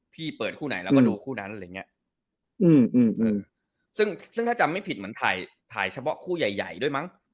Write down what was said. พี่เปิดคู่ไหนแล้วก็ดูคู่นั้นอะไรอย่างเงี้ยซึ่งถ้าจำไม่ผิดเหมือนถ่ายเฉพาะคู่ใหญ่ด้วยมั้ง